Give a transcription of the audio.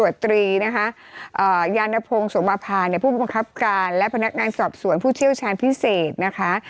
ชีวิตในพัฒนามาพาในผู้ประคับการและพนักงานสอบสวนผู้เชี่ยวชาญพิเศษนะคะ